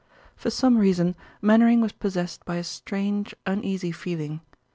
For some reason Mainwaring was possessed by a strange, uneasy feeling.